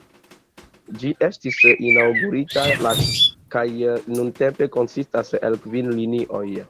Ĝi estis inaŭgurita la kaj nuntempe konsistas el kvin linioj.